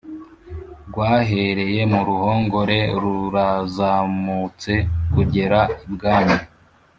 rwahereye muruhongore rurazamutse kugera ibwami"